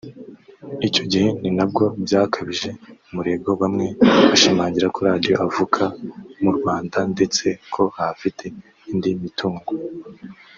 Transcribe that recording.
Icyo gihe ni nabwo byakajije umurego bamwe bashimangira ko ‘Radio avuka mu Rwanda’ ndetse ko ahafite indi mitungo